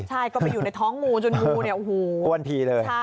ใช่ก็ไปอยู่ในท้องงูจนงูอ้วนพีเลย